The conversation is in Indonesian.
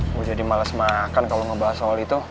gue jadi males makan kalo ngebahas soal itu